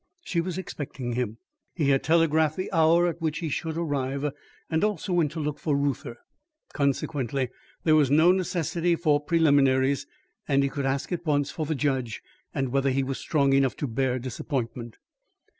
She was expecting him. He had telegraphed the hour at which he should arrive, and also when to look for Reuther. Consequently there was no necessity for preliminaries, and he could ask at once for the judge and whether he was strong enough to bear disappointment.